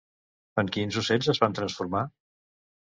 En quins ocells es van transformar?